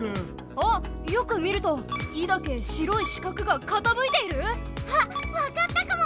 あっよく見ると「イ」だけ白い四角がかたむいている⁉あっわかったかも！